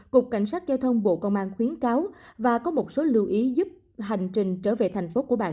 cục cảnh sát giao thông bộ công an khuyến cáo và có một số lưu ý giúp hành trình trở về thành phố của bạn